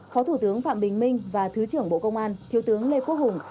phó thủ tướng phạm bình minh và thứ trưởng bộ công an thiếu tướng lê quốc hùng